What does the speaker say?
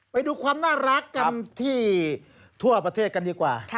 ไปดูความน่ารักกันที่ทั่วประเทศกันดีกว่า